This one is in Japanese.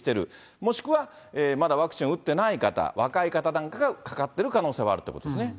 もしくはまだワクチンを打ってない方、若い方なんかがかかってる可能性はあるっていうことですね。